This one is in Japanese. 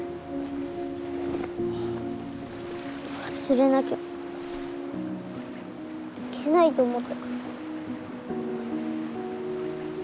忘れなきゃいけないと思ったから。